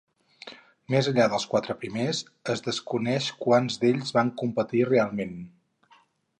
Més enllà dels quatre primers es desconeix quants d'ells van competir realment.